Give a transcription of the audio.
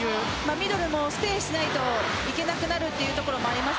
ミドルもステイしないといけないというところはあります。